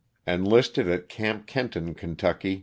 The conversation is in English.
Enlisted at Camp Kenton, Ky.